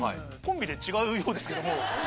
コンビで違うようですけども。